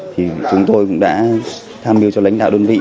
thì chúng tôi cũng đã tham mưu cho lãnh đạo đơn vị